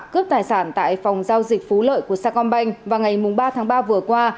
cướp tài sản tại phòng giao dịch phú lợi của sa còn bành vào ngày ba tháng ba vừa qua